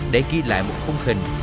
để ghi lại một khung hình